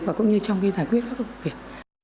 và cũng như trong cái giải quyết các công việc